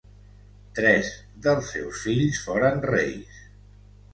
Tres dels seus fills foren reis.